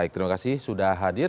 baik terima kasih sudah hadir